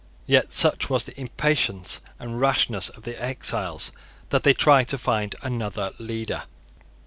Yet such was the impatience and rashness of the exiles that they tried to find another leader.